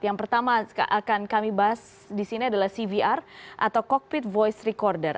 yang pertama akan kami bahas di sini adalah cvr atau cockpit voice recorder